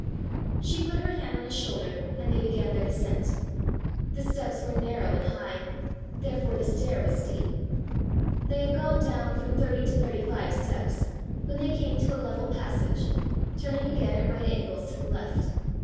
She put her hand on his shoulder, and they began their descent. The steps were narrow and high, therefore the stair was steep. They had gone down from thirty to thirty five steps, when they came to a level passage, turning again at right angles to the left.